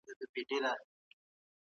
ایا لوی صادروونکي انځر پروسس کوي؟